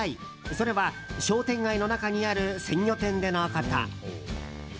それは商店街の中にある鮮魚店でのこと。